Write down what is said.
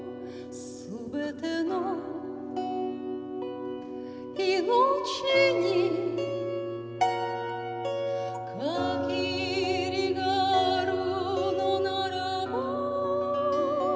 「すべての生命に限りがあるのならば」